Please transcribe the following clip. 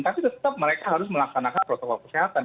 tapi tetap mereka harus melaksanakan protokol kesehatan